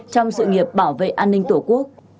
trong sự nghiệp bảo vệ an ninh tổ quốc